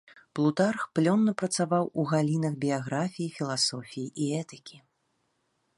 Плутарх плённа працаваў у галінах біяграфіі, філасофіі і этыкі.